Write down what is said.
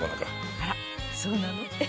あらそうなの？